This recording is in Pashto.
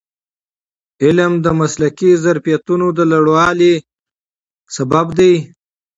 علم د مسلکي ظرفیتونو د لوړوالي سبب دی.